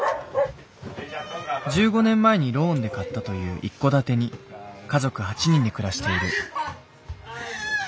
１５年前にローンで買ったという一戸建てに家族８人で暮らしている。